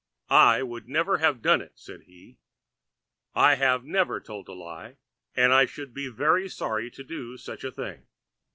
'I wouldn't have done it,' said he; 'I have never told a lie, and I should be very sorry to do such a thing.'